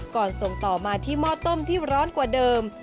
ส่งต่อมาที่หม้อต้มที่ร้อนกว่าเดิม